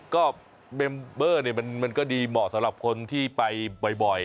ก็เมมเบอร์เนี่ยมันก็ดีเหมาะสำหรับคนที่ไปบ่อย